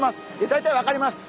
大体わかります。